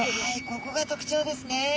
ここが特徴ですね。